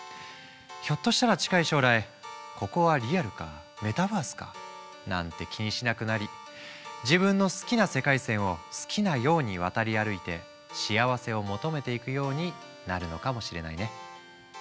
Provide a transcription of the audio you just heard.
ひょっとしたら近い将来ここはリアルかメタバースかなんて気にしなくなり自分の好きな世界線を好きなように渡り歩いて幸せを求めていくようになるのかもしれないね。